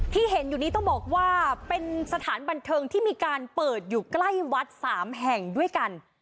ที่เห็นอยู่นี้ต้องบอกว่าเป็นสถานบันเทิงที่มีการเปิดอยู่ใกล้วัดสามแห่งด้วยกัน